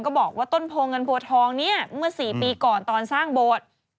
บอกว่าต้นโพเงินโพทองเนี่ยเมื่อ๔ปีก่อนตอนสร้างโบสถ์